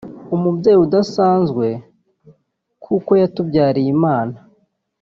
umubyeyi udasanzwe kuko yatubyariye Imana